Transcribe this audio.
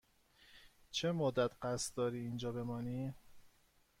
چه مدت قصد داری اینجا بمانی؟